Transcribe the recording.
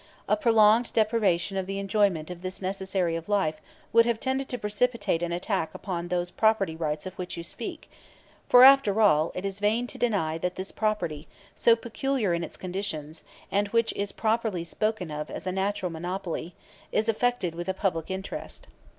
A prolonged deprivation of the enjoyment of this necessary of life would have tended to precipitate an attack upon these property rights of which you speak; for, after all, it is vain to deny that this property, so peculiar in its conditions, and which is properly spoken of as a natural monopoly, is affected with a public interest.